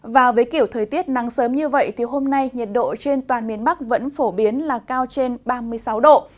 và với kiểu thời tiết nắng sớm như vậy thì hôm nay nhiệt độ trên toàn miền bắc vẫn phổ biến là cao trên ba mươi sáu độ